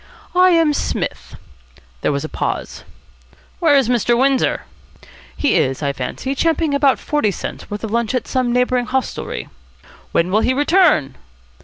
"I am Psmith." There was a pause. "Where is Mr. Windsor?" "He is, I fancy, champing about forty cents' worth of lunch at some neighbouring hostelry." "When will he return?"